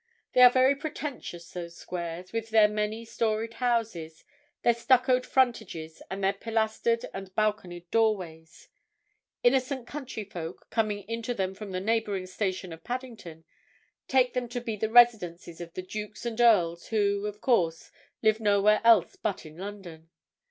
They are very pretentious, those squares, with their many storied houses, their stuccoed frontages, and their pilastered and balconied doorways; innocent country folk, coming into them from the neighbouring station of Paddington, take them to be the residences of the dukes and earls who, of course, live nowhere else but in London.